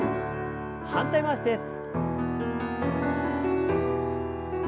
反対回しです。